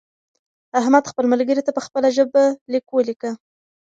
احمد خپل ملګري ته په خپله ژبه لیک ولیکه.